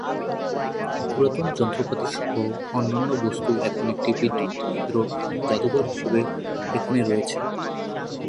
পুরাতন যন্ত্রপাতি সহ অন্যান্য বস্তু এখন একটি বিদ্যুৎ কেন্দ্র জাদুঘর হিসেবে এখানে রয়েছে।